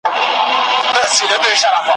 موږ ته دا را زده کړل